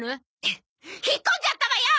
引っ込んじゃったわよ！